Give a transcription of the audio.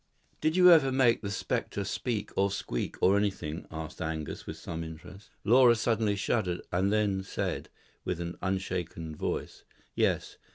"Did you ever make the spectre speak or squeak, or anything?" asked Angus, with some interest. Laura suddenly shuddered, and then said, with an unshaken voice, "Yes.